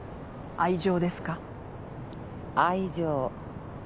愛情？